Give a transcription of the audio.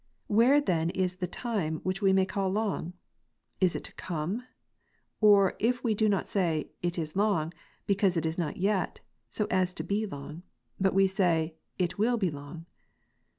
Where then is the time, which we may call long ? Is it to come ? Of it we do not say, " it is long;" because it is not yet, so as to be long; but we say, "it will be long."